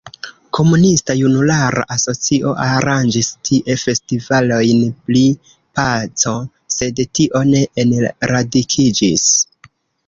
Komunista Junulara Asocio aranĝis tie festivalojn pri Paco, sed tio ne enradikiĝis.